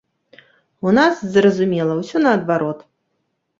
У нас, зразумела, усё наадварот.